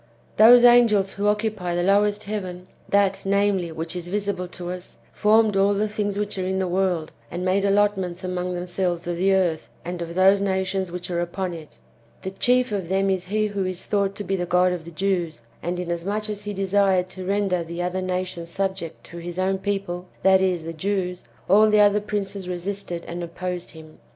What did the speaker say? Those angels who occupy the lowest heaven, that, namely, which is visible to us, formed all the things which are in the world, and made allotments among themselves of the earth and of those nations which are upon it. The chief of them is he who is thought to be the God of the Jews ; and inasmuch as he desired to render the other nations sub ject to his own people, that is, the Jews, all the other princes resisted and opposed him.